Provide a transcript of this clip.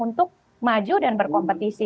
untuk maju dan berkompetisi